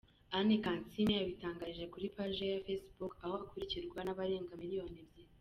Anne Kansiime yabitangarije kuri paji ye ya facebook aho akurirwa n’ abarenga miliyoni ebyiri.